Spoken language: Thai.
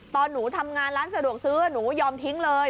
ตอนหนูทำงานร้านสะดวกซื้อหนูยอมทิ้งเลย